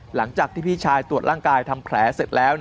หลังจากที่พี่ชายตรวจร่างกายทำแผลเสร็จแล้ว